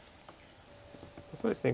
そうですね